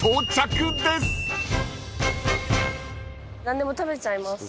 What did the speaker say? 何でも食べちゃいます。